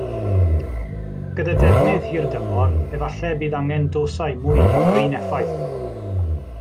Gyda defnydd hirdymor efallai y bydd angen dosau mwy am yr un effaith.